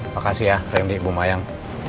makasih ya reni bu mayang